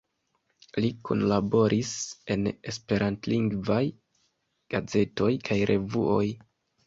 Li kunlaboris en esperantlingvaj gazetoj kaj revuoj.